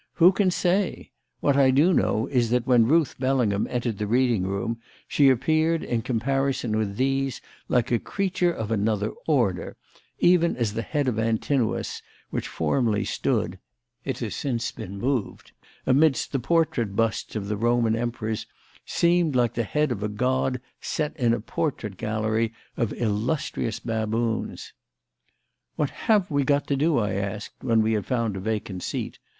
Who can say? What I do know is that when Ruth Bellingham entered the reading room she appeared in comparison with these like a creature of another order; even as the head of Antinous, which formerly stood (it has since been moved) amidst the portrait busts of the Roman Emperors, seemed like the head of a god set in a portrait gallery of illustrious baboons. "What have we got to do?" I asked when we had found a vacant seat.